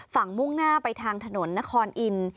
ฝั่งมุ่งหน้าไปทางถนนนครอลอิน